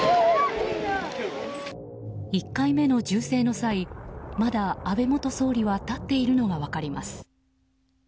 １回目の銃声の際まだ安倍元総理が立っているのが分かります。